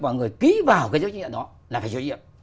và người ký vào cái trách nhiệm đó là phải chịu trách nhiệm